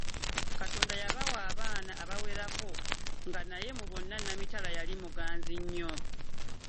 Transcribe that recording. Katonda yabawa abaana abawerako nga naye mu bonna Namitala yali muganzi nnyo.